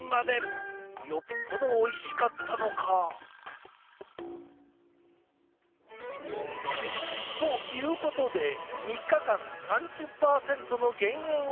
よっぽどおいしかったのか？ということで３日間３０％の減塩を見事達成！